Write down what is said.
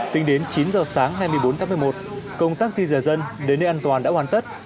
tính đến chín giờ sáng hai mươi bốn tháng một mươi một công tác di rời dân đến nơi an toàn đã hoàn tất